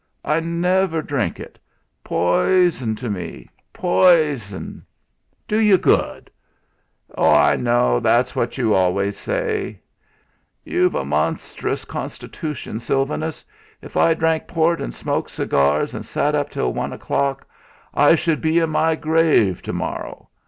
I never drink it. Poison to me! Poison!" "Do you good!" "Oh! I know, that's what you always say." "You've a monstrous constitution, Sylvanus. If I drank port and smoked cigars and sat up till one o'clock, I should be in my grave to morrow.